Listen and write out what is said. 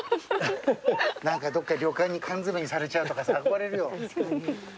何かどっか旅館に缶詰めにされちゃうとかさ憧れるよ。